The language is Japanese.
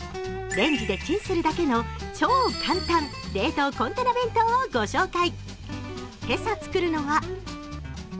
レンジでチンするだけの超簡単冷凍コンテナ弁当をご紹介。